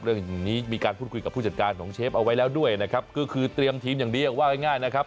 อย่างนี้มีการพูดคุยกับผู้จัดการของเชฟเอาไว้แล้วด้วยนะครับก็คือเตรียมทีมอย่างเดียวว่าง่ายนะครับ